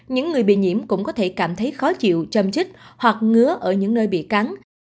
những người bị nhiễm cũng có thể cảm thấy khó chịu châm chích hoặc ngứa ở những nơi bị cắn